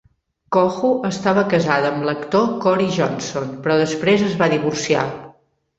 Cohu estava casada amb l'actor Corey Johnson, però després es va divorciar.